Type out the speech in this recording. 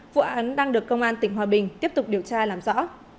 vụ án đang được công an tỉnh hòa bình tiếp tục điều tra làm rõ